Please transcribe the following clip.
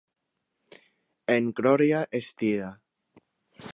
En glòria estiga.